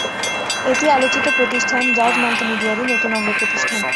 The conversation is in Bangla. এটি আলোচিত প্রতিষ্ঠান জাজ মাল্টিমিডিয়ারই নতুন অঙ্গ প্রতিষ্ঠান।